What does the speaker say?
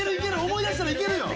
思い出したらいけるよ。